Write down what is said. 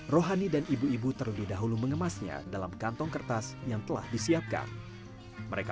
rohani dan ibu ibu terlebih dahulu mengemasnya dalam kantong kertas yang telah disiapkan mereka